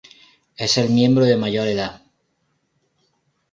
Es el miembro de mayor edad.